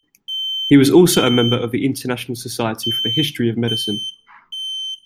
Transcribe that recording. He was also a member of the International Society for the History of Medicine.